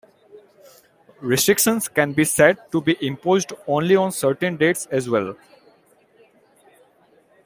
Restrictions can be set to be imposed only on certain dates as well.